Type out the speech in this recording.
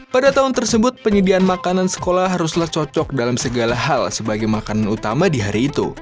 pada tahun tersebut penyediaan makanan sekolah haruslah cocok dalam segala hal sebagai makanan utama di hari itu